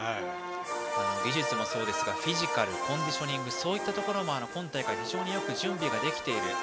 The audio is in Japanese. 技術もそうですけどフィジカル、コンディショニングそういったところも今大会非常に準備ができている。